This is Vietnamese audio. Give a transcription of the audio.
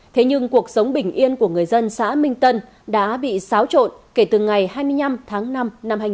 thế nhưng cuộc sống bình yên của người dân xã minh tân đã bị xáo trộn kể từ ngày hai mươi năm tháng năm năm hai nghìn một mươi ba